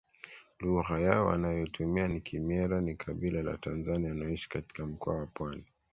Lugha yao wanayoitumia ni Kimwera ni kabila la Tanzania wanaoishi katika Mkoa wa Pwani